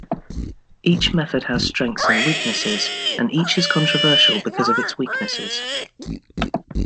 Each method has strengths and weaknesses and each is controversial because of its weaknesses.